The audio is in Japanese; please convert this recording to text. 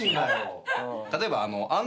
例えば。